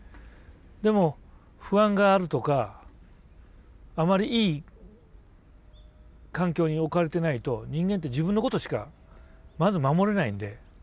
でも不安があるとかあまりいい環境に置かれていないと人間って自分のことしかまず守れないので。